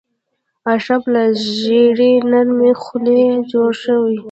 اشراف له ژیړې نرمې خاورې جوړ شول.